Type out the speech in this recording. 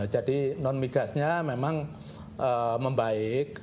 jadi non migasnya memang membaik